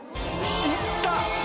・いった！